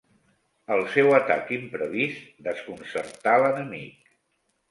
El seu atac imprevist desconcertà l'enemic.